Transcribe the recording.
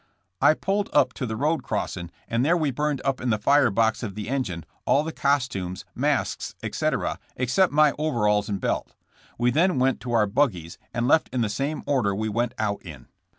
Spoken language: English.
I pulled up to the road crossing and there we burned up in the fire box of the engine all the costumes, masks, etc., except my overalls and belt. We then went to our buggies and left in the same order we went out in.